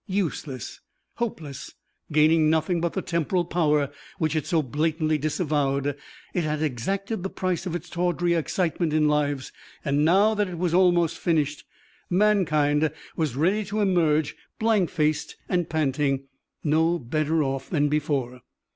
Useless, hopeless, gaining nothing but the temporal power which it so blatantly disavowed, it had exacted the price of its tawdry excitement in lives, and, now that it was almost finished, mankind was ready to emerge blank faced and panting, no better off than before.